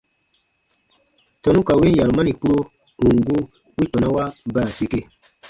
Tɔnu ka win yarumani kpuro, ù n gu, wi tɔnawa ba ra sike.